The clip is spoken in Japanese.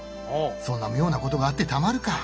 そんな妙なことがあってたまるか。